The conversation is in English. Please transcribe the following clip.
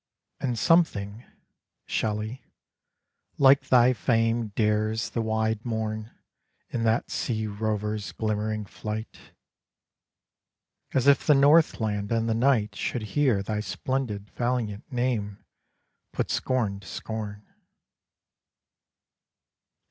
And something, Shelley, like thy fame Dares the wide morn In that sea rover's glimmering flight, As if the Northland and the night Should hear thy splendid valiant name Put scorn to scorn.